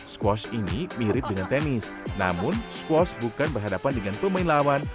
squash ini mirip dengan tenis namun squash bukan berhadapan dengan pemain lawan